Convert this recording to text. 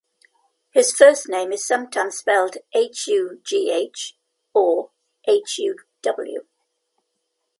His first name is sometimes spelled "Hugh" or "Huw".